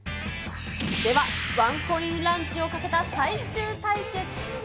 では、ワンコインランチをかけた最終対決。